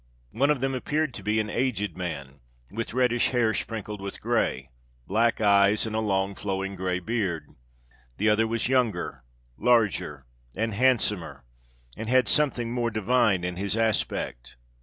One of them appeared to be an aged man, with reddish hair sprinkled with grey, black eyes, and a long flowing grey beard. The other was younger, larger, and handsomer, and had something more divine in his aspect.